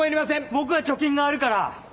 僕は貯金があるから。